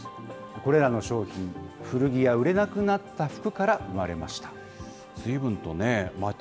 これらの商品、古着や売れなくなった服から生まれました。